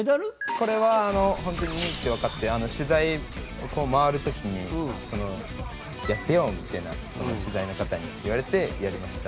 これは本当に２位ってわかって取材回る時に「やってよ」みたいな事を取材の方に言われてやりました。